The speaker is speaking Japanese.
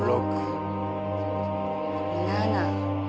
７。